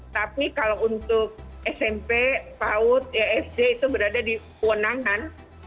tapi kalau untuk smp paud sd itu berada di kewenangan